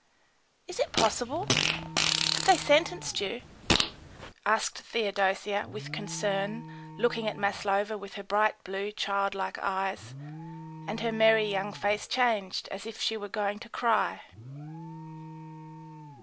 "Is it possible? Have they sentenced you?" asked Theodosia, with concern, looking at Maslova with her bright blue, child like eyes; and her merry young face changed as if she were going to cry.